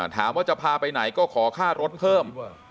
ถามว่าจะพาไปไหนก็ขอค่ารถเพิ่ม